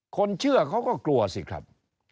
คนเชื่อเขาก็กลัวสิครับ